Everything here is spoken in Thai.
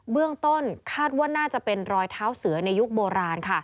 เบื้องต้นคาดว่าน่าจะเป็นรอยเท้าเสือในยุคโบราณ